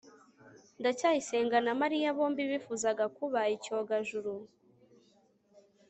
ndacyayisenga na mari ya bombi bifuzaga kuba icyogajuru